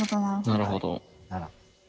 なるほど。